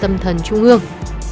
tâm thần trung ương